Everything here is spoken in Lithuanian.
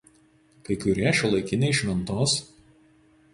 Kai kurie šiuolaikiniai šv.